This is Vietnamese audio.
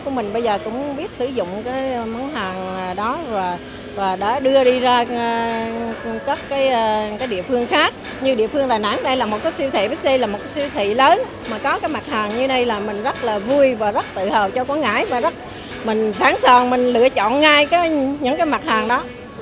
và mình sáng sòn mình lựa chọn ngay những mặt hàng đó